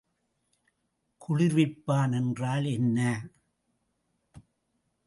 குளிர்விப்பான் என்றால் என்ன?